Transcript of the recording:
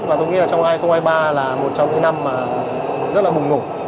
và tôi nghĩ là trong hai nghìn hai mươi ba là một trong những năm rất là bùng ngủ